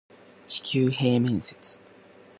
地球平面説